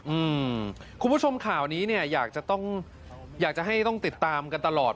อืมคุณผู้ชมข่าวนี้เนี่ยอยากจะให้ต้องติดตามกันตลอด